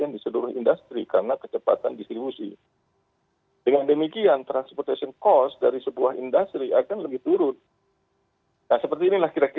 nah kalau kita tarik secara makro maka total inventory carrying cost itu bisa lebih cepat